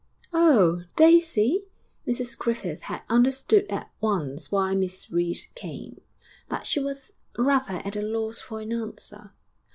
'Oh! Daisy?' Mrs Griffith had understood at once why Miss Reed came, but she was rather at a loss for an answer....